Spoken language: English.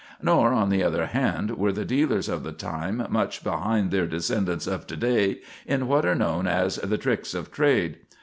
Nor, on the other hand, were the dealers of the time much behind their descendants of to day in what are known as the tricks of trade.